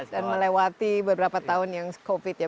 dan melewati beberapa tahun yang covid ya